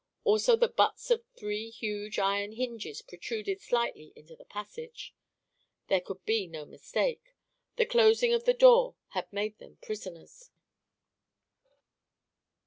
Also the butts of three huge iron hinges protruded slightly into the passage. There could be no mistake. The closing of the door had made them prisoners.